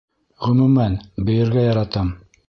Ғөмүмән, бейергә яратам.